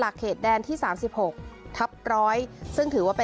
ละเขตแดนที่๓๖ทับ๑๐๐